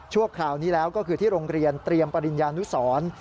คราวนี้แล้วก็คือที่โรงเรียนเตรียมปริญญานุสร